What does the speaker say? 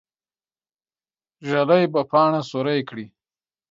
ږلۍ به پاڼه سوری کړي.